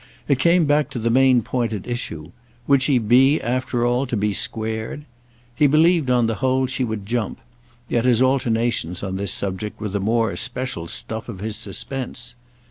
It came back to the main point at issue: would she be, after all, to be squared? He believed on the whole she would jump; yet his alternations on this subject were the more especial stuff of his suspense.